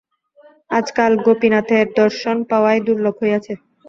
আজকাল গোপীনাথের দর্শন পাওয়াই দুর্লভ হইয়াছে।